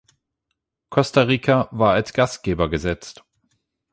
Costa Rica war als Gastgeber gesetzt.